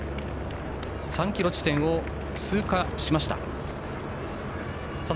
３ｋｍ地点を通過しました。